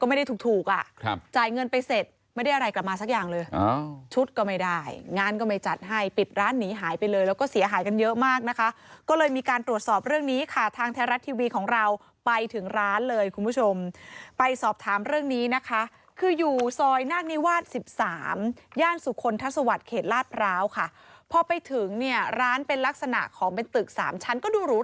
ไม่ได้ถูกถูกอ่ะครับจ่ายเงินไปเสร็จไม่ได้อะไรกลับมาสักอย่างเลยชุดก็ไม่ได้งานก็ไม่จัดให้ปิดร้านหนีหายไปเลยแล้วก็เสียหายกันเยอะมากนะคะก็เลยมีการตรวจสอบเรื่องนี้ค่ะทางไทยรัฐทีวีของเราไปถึงร้านเลยคุณผู้ชมไปสอบถามเรื่องนี้นะคะคืออยู่ซอยนาคนิวาส๑๓ย่านสุคลทัศวรรคเขตลาดพร้าวค่ะพอไปถึงเนี่ยร้านเป็นลักษณะของเป็นตึกสามชั้นก็ดูหรู